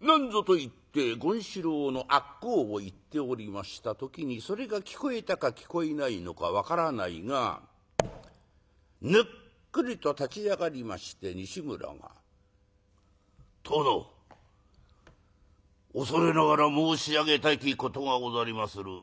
なんぞと言って権四郎の悪口を言っておりました時にそれが聞こえたか聞こえないのか分からないがぬっくりと立ち上がりまして西村が「殿恐れながら申し上げたきことがござりまする」。